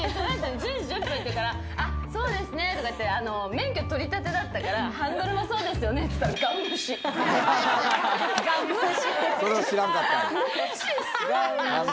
１０時１０分っていうから、そうですねって、免許取り立てだったから、ハンドルもそうですねって言ったら、がん無視。